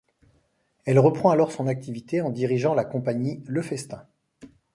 Elle reprend alors son activité en dirigeant la Compagnie Le Festin.